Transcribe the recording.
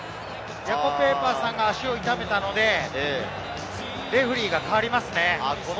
ヤコ・ペイパーさんが足を痛めたのでレフェリーが代わりますね。